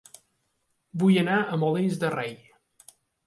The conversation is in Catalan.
Vull anar a Molins de Rei